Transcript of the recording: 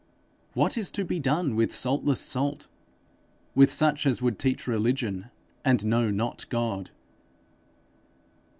What is to be done with saltless salt! with such as would teach religion, and know not God!